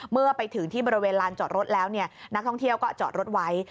เมื่อไปถึงที่บริเวณลานจอดรถแล้วนักท่องเที่ยวก็จอดรถไว้